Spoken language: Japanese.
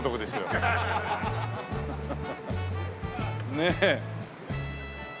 ねえ。